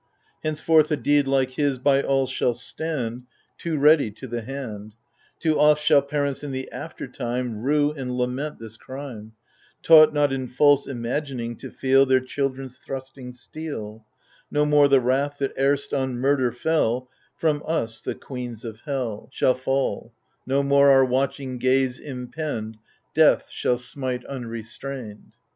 Henceforth a deed like his by all shall stand, Too ready to the hand : Too oft shall parents in the aftertime Rue and lament this crime, — Taught, not in false imagining, to feel Their children's thrusting steel ; No more the wrath, that erst on murder fell From us, the queens of Hell, THE FURIES 159 Shall fall, no more our watching gaze impend — Death shall smite unrestrained.